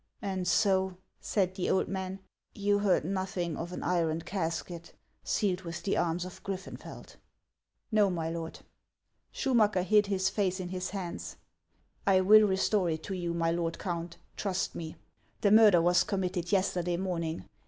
" And so," said the old man, " you heard nothing of an iron casket, sealed with the arms of Griffenfeld ?"" Xo, my lord." Schumacker hid his face in his hands. " I will restore it to you, my lord Count ; trust me. The murder was committed yesterday morning.